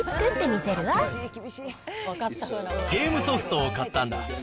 ゲームソフトを買ったんだ。